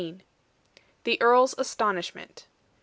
THE EARL'S ASTONISHMENT.